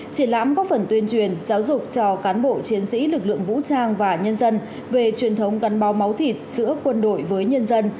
triển lãm góp phần tuyên truyền giáo dục cho cán bộ chiến sĩ lực lượng vũ trang và nhân dân về truyền thống gắn bó máu thịt giữa quân đội với nhân dân